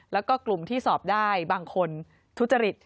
แล้วก็กลุ่มที่สอบได้บางคนทุจริต